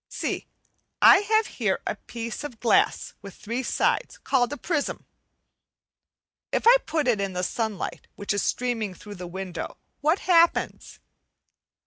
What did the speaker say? See, I have here a piece of glass with three sides, called a prism. If I put it in the sunlight which is streaming through the window, what happens?